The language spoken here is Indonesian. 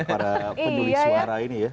para penyulih suara ini ya